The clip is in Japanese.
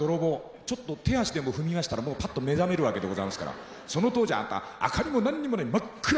ちょっと手足でも踏みましたらもうパッと目覚めるわけでございますからその当時あんた明かりも何にもない真っ暗。